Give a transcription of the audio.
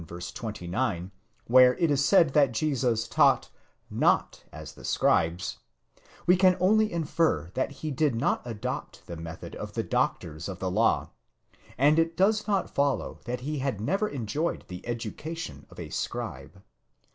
29, where it is said that Jesus taught mot as the scribes, οὐχ ὡς ot γραμματεῖς, we can only infer that he did not adopt the method of the doctors of the law, and it does not follow that he had never enjoyed the education of a scribe (γραμματεὺς).